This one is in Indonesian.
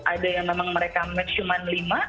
ada yang memang mereka match cuma lima